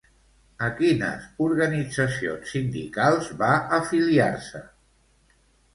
A quines organitzacions sindicals va afiliar-se?